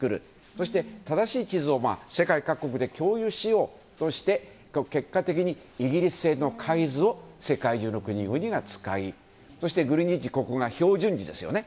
そして、正しい地図を世界各国で共有しようとして結果的にイギリス製の海図を世界中の国々が使いそして、グリニッジのここが標準時ですよね。